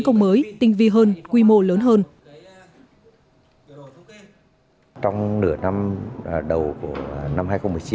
công mới tinh vi hơn quy mô lớn hơn trong nửa năm đầu của năm hai nghìn một mươi chín